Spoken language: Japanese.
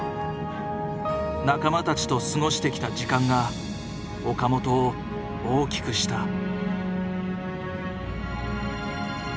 仲間たちと過ごしてきた時間が岡本を大きくした。